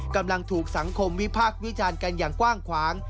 กำลังถูกสังคมวิพากษ์วิจารณ์กันอย่างกว้างขวาง